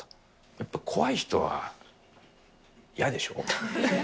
やっぱ怖い人は嫌でしょ？